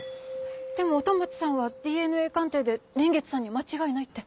でも音松さんはＤＮＡ鑑定で蓮月さんに間違いないって。